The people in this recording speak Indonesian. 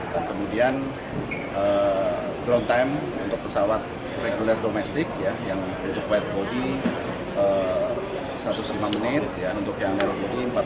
dan kemudian ground time untuk pesawat reguler domestik yang untuk white body satu ratus lima menit untuk yang narrow body empat ratus empat puluh lima menit